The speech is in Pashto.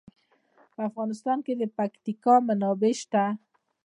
په افغانستان کې د پکتیکا منابع شته.